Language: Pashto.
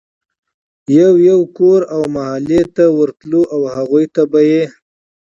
يو يو کور او محلې ته ورتلو او هغوی ته به ئي